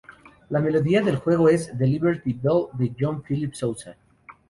La melodía del juego es "The Liberty Bell", de John Philip Sousa.